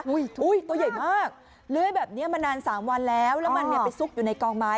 ตัวใหญ่มากเลื้อยแบบนี้มานาน๓วันแล้วแล้วมันไปซุกอยู่ในกองไม้